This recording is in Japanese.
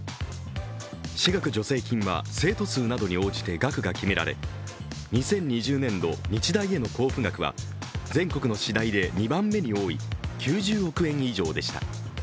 私学助成金は生徒数などに応じて額が決められ２０２０年度、日大への交付額は全国の私大で２番目に多い９０億円以上でした。